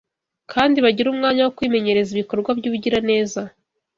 kandi bagire umwanya wo kwimenyereza ibikorwa by’ubugiraneza